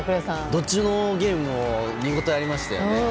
どっちのゲームも見応えがありましたね。